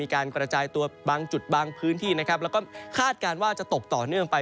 การกระจายตัวบางจุดบางพื้นที่นะครับแล้วก็คาดการณ์ว่าจะตกต่อเนื่องไป